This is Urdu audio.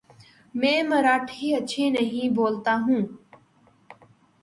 میں مراٹھی اچھی نہیں بولتا ہوں ـ